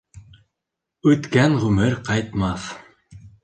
Үткән ғүмер ҡайтмаҫ